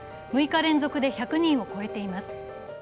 ６日連続で１００人を超えています。